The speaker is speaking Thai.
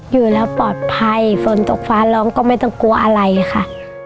อยู่แล้วปลอดภัยฝนตกฟ้าร้องก็ไม่ต้องกลัวอะไรค่ะ